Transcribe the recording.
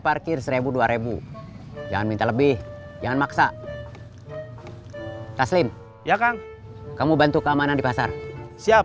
parkir seribu dua ribu jangan minta lebih jangan maksa taslim ya kang kamu bantu keamanan di pasar siap